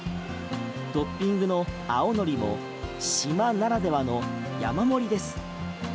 トッピングの青海苔も島ならではの山盛りです。